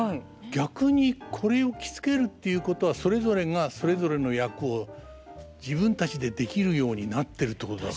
逆にこれを着付けるっていうことはそれぞれがそれぞれの役を自分たちでできるようになってるってことだから。